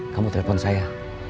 kamu telepon saya